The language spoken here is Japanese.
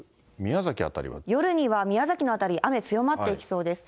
夜には宮崎の辺り、雨強まっていきそうです。